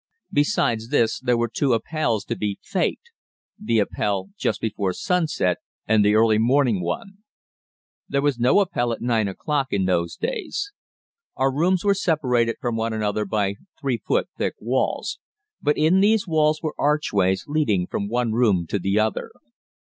Besides this, there were two Appells to be "faked" the Appell just before sunset and the early morning one. There was no Appell at 9 o'clock in those days. Our rooms were separated from one another by 3 foot thick walls, but in these walls were archways leading from one room to the other.